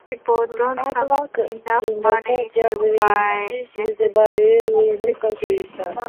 Artwork in the church has been contributed by well known local Santeros.